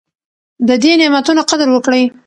د دې نعمتونو قدر وکړئ.